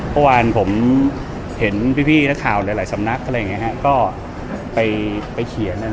เมื่อวานผมเห็นพี่นักข่าวหลายสำนักอะไรอย่างนี้ฮะก็ไปเขียน